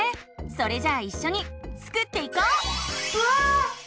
それじゃあいっしょにスクっていこう！わ！